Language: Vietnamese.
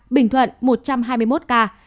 bình thuận một trăm hai mươi một ca